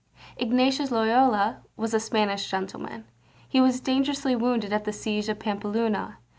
Ignatius Loyola was a Spanish gentleman, who was dangerously wounded at the siege of Pampeluna.